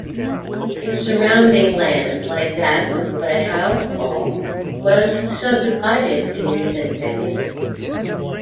Its surrounding land, like that of Gledhow Hall, was subdivided in recent decades.